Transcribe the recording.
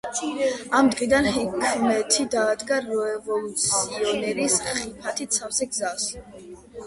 ამ დღიდან ჰიქმეთი დაადგა რევოლუციონერის ხიფათით სავსე გზას.